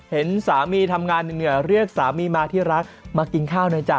เห็นสามีทำงานเหนื่อยเรียกสามีมาที่รักมากินข้าวหน่อยจ้